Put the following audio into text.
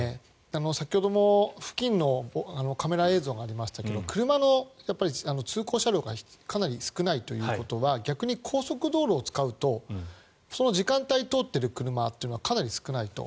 先ほども付近のカメラ映像がありましたが車の通行車両がかなり少ないということは逆に高速道路を使うとその時間帯に通っている車というのはかなり少ないと。